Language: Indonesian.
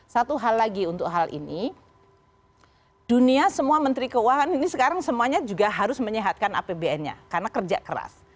satu hal lagi untuk hal ini dunia semua menteri keuangan ini sekarang semuanya juga harus menyehatkan apbn nya karena kerja keras